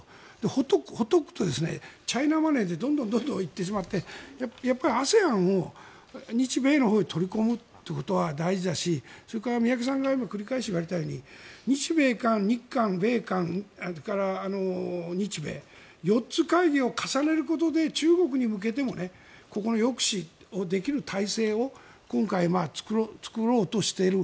放っておくとチャイナマネーでどんどん行ってしまってＡＳＥＡＮを日米のほうに取り込むということは大事だしそれから宮家さんが繰り返し言われたように日米韓、日韓、米韓、日米４つ、会議を重ねることで中国に向けてもここの抑止をできる体制を今回作ろうとしている。